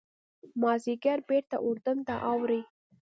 مازیګر بېرته اردن ته اوړي.